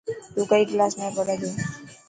تون ڪئي ڪلاس ۾ پڙهي ٿو.